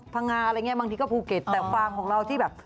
แต่ว่าฟาร์มของเราที่